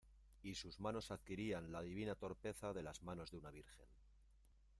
y sus manos adquirían la divina torpeza de las manos de una virgen.